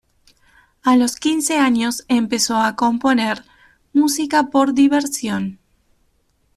A los quince años empezó a componer música por diversión.